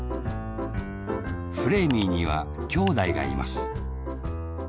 フレーミーにはきょうだいがいます。